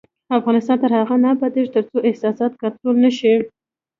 افغانستان تر هغو نه ابادیږي، ترڅو احساسات کنټرول نشي.